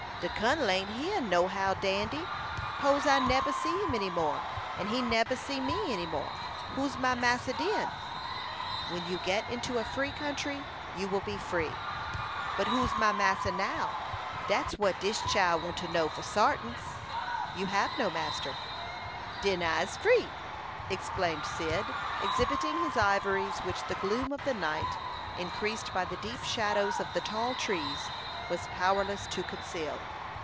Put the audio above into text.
"De Kun'l ain't here, no how, Dandy; 'pose I neber see him any more, and he neber see me any more, who's my massa den?" "When you get into a free country, you will be free." "But who's my massa now? Dat's what dis chile want to know for sartin." "You have no master." "Den I'se free," exclaimed Cyd, exhibiting his ivories, which the gloom of the night, increased by the deep shadows of the tall trees, was powerless to conceal.